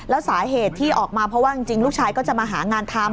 แล้วสาเหตุที่ออกมาเพราะว่าจริงลูกชายก็จะมาหางานทำ